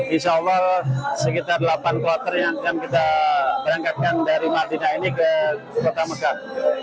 insya allah sekitar delapan kloter yang akan kita berangkatkan dari madinah ini ke kota mekah